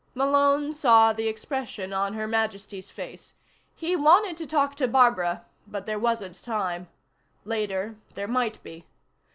Malone saw the expression on Her Majesty's face. He wanted to talk to Barbara but there wasn't time. Later, there might be.